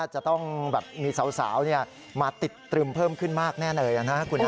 จะต้องแบบมีสาวมาติดตรึมเพิ่มขึ้นมากแน่เลยนะครับ